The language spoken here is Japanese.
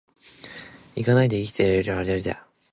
只懲役に行かないで生きて居る許りである。